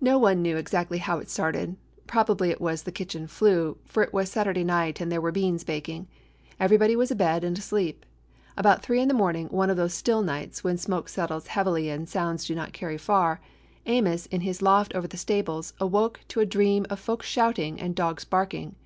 No one knew exactly how it started; probably it was the kitchen flue, for it was Saturday night and there were beans baking. Everybody was abed and asleep. About three in the morning, one of those still nights when smoke settles heavily and sounds do not carry far, Amos, in his loft over the stables, awoke to a dream of folks shouting and dogs barking.